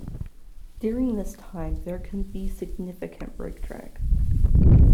During this time, there can be significant brake drag.